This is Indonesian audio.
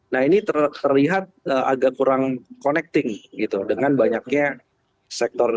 nah ini terlihat agak kurang connecting gitu dengan banyaknya sektor